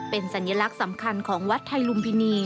เป็นสัญลักษณ์สำคัญของวัดไทยลุมพินี